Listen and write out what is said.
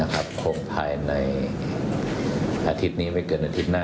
คงภายในอาทิตย์นี้ไม่เกินอาทิตย์หน้า